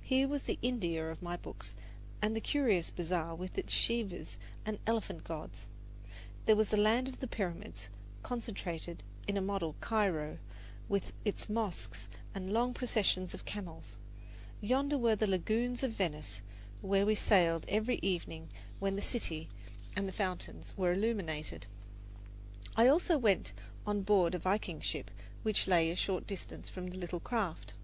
Here was the India of my books in the curious bazaar with its Shivas and elephant gods; there was the land of the Pyramids concentrated in a model Cairo with its mosques and its long processions of camels; yonder were the lagoons of Venice, where we sailed every evening when the city and the fountains were illuminated. I also went on board a Viking ship which lay a short distance from the little craft.